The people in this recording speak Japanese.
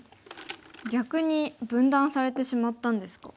逆に分断されてしまったんですか。